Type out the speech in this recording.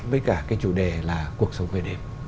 với cả chủ đề là cuộc sống về đêm